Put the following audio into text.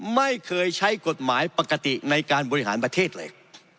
ไม่เคยใช้กฎหมายปกติในการบริหารประเทศเลย